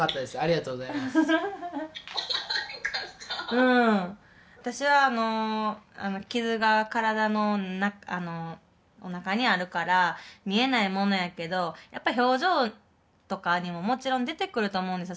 うん私は傷が体のおなかにあるから見えないものやけどやっぱり表情とかにももちろん出てくると思うんですよ